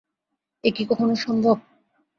এ কি কখনো সম্ভব?